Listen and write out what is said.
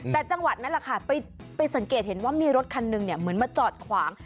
แต่จังหวัดนั้นแหละค่ะไปสังเกตเห็นว่ามีรถคันหนึ่งเหมือนมาจอดขวาง